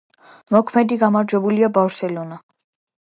მოქმედი გამარჯვებულია „ბარსელონა“.